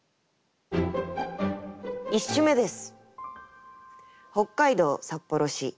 １首目です。